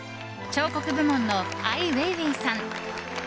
彫刻部門のアイ・ウェイウェイさん。